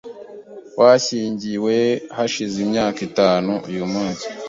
Twashyingiwe hashize imyaka itanu uyu munsi.